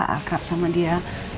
akrab sama dia